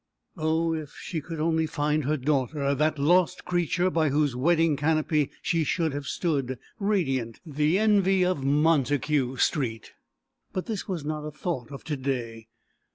Oh, if she could only find her daughter that lost creature by whose wedding canopy she should have stood, radiant, the envy of Montague Street! But this was not a thought of to day.